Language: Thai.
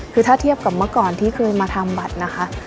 คือถ้าเทียบกับเมื่อก่อนที่เคยมาทำบัตรนะคะ